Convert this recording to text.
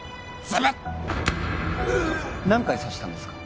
ウウッ何回刺したんですか？